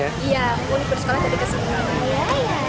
iya mau libur sekolah jadi kesen banget